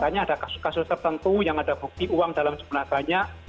misalnya ada kasus kasus tertentu yang ada bukti uang dalam jumlah banyak